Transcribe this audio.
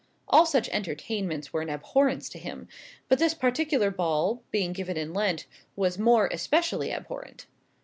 All such entertainments were an abhorrence to him; but this particular ball, being given in Lent, was more especially abhorrent.